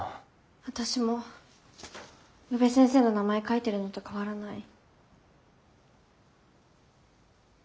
私も宇部先生の名前書いてるのと変わらない。